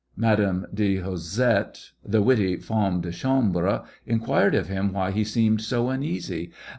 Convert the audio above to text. Madame D. Haussett, the witty femme de enambre, inquired of him why he seemed so uneasy.